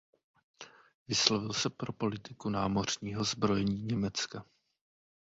Vyslovil se pro politiku námořního zbrojení Německa.